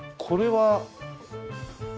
これは。